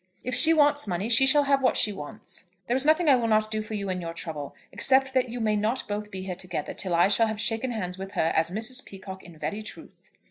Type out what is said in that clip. "If she wants money she shall have what she wants. There is nothing I will not do for you in your trouble, except that you may not both be here together till I shall have shaken hands with her as Mrs. Peacocke in very truth."